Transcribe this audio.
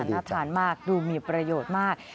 น่าทานมากดูมีประโยชน์มาก